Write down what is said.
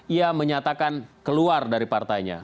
ia menyatakan keluar dari partainya